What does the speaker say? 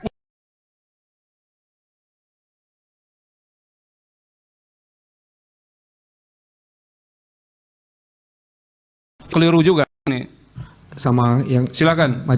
pertanyaannya apa sih yang disampaikan